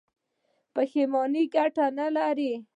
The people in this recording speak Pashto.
پښیماني ګټه نلري.